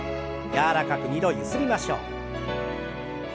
柔らかく２度ゆすりましょう。